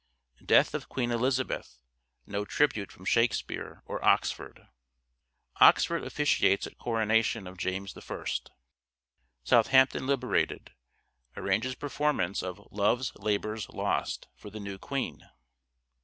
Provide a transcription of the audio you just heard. Death of Queen Elizabeth — no tribute from " Shakespeare " or Oxford. Oxford officiates at coronation of James I. Southampton liberated — arranges performance of " Love's Labour's Lost " for the new Queen.